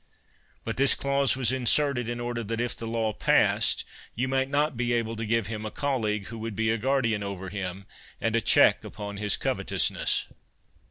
But this clause was inserted, in order that if the law passed you might not be able to give him a colleag who would be a guar dian over him, and a check upon his covetousness.